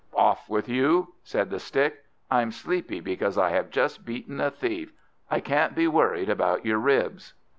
"Off with you," said the Stick; "I'm sleepy, because I have just beaten a thief; I can't be worried about your ribs."